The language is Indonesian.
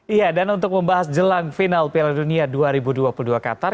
iya dan untuk membahas jelang final piala dunia dua ribu dua puluh dua qatar